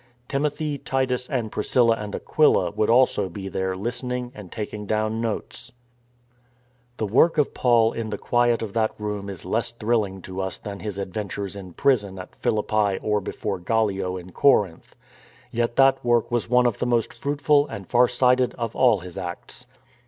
Timothy, Titus, and Priscilla and Aquila would also be there listening and taking down notes. 252 STORM AND STRESS The work of Paul in the quiet of that room is less thrilling to us than his adventures in prison at Philippi or before Gallio in Corinth. Yet that work was one of the most fruitful and far sighted of all his acts.